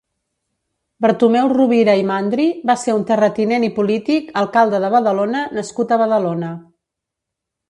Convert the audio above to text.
Bartomeu Rovira i Mandri va ser un terratinent i polític, alcalde de Badalona nascut a Badalona.